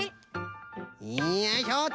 よいしょっと。